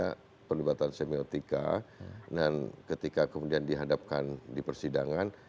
karena perlibatan semiotika dan ketika kemudian dihadapkan di persidangan